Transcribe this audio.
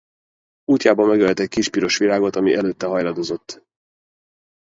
Útjában megölelt egy kis piros virágot, amely előtte hajladozott.